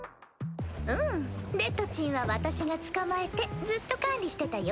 うんデッドちんは私が捕まえてずっと管理してたよ。